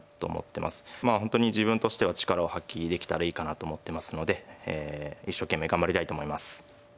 まあ本当に自分としては力を発揮できたらいいかなと思ってますので一生懸命頑張りたいと思います。